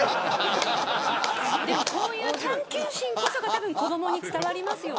こういう探求心こそが子どもに伝わりますよね。